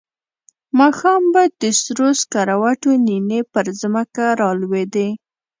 ماښام به د سرو سکروټو نینې پر ځمکه را لوېدې.